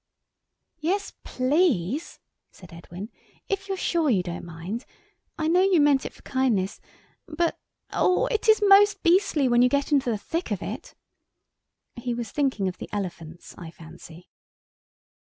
"Yes, please," said Edwin, "if you're sure you don't mind? I know you meant it for kindness, but, oh, it is most beastly, when you get into the thick of it." He was thinking of the elephants, I fancy.